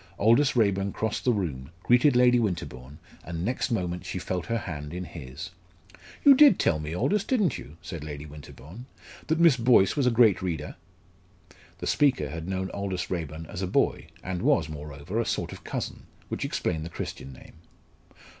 Aldous Raeburn crossed the room, greeted Lady Winterbourne, and next moment she felt her hand in his. "You did tell me, Aldous, didn't you," said Lady Winterbourne, "that Miss Boyce was a great reader?" The speaker had known Aldous Raeburn as a boy, and was, moreover, a sort of cousin, which explained the Christian name.